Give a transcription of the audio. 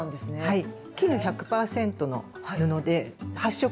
はい。